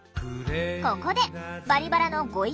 ここで「バリバラ」のご意見